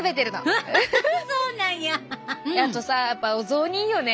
あとさやっぱお雑煮いいよね。